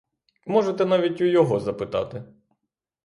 Можете навіть у його запитати!